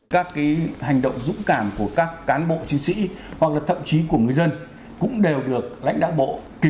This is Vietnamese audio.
các hành động dũng cảm của các cán bộ chiến sĩ hoặc là thậm chí của người dân cũng đều được đánh giá